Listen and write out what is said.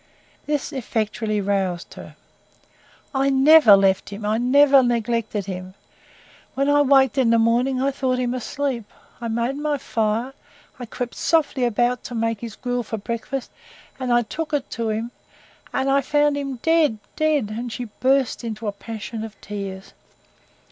This effectually roused her. "I NEVER left him I NEVER neglected him. When I waked in the morning I thought him asleep. I made my fire. I crept softly about to make his gruel for breakfast, and I took it him, and found him dead dead," and she burst into a passion of tears.